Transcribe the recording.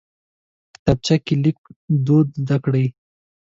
کتابچه کې لیک دود زده کېږي